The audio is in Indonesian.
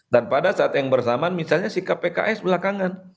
dan pada saat yang bersamaan misalnya sikap pks belakangan